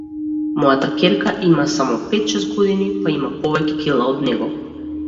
Мојата ќерка има само пет-шест години, па има повеќе кила од него.